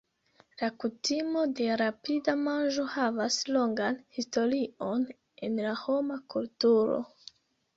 La kutimo de rapida manĝo havas longan historion en la homa kulturo.